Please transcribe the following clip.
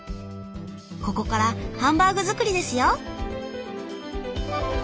ここからハンバーグ作りですよ。